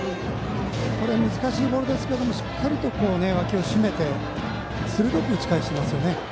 これ、難しいボールですがしっかりわきを閉めて鋭く打ち返していますね。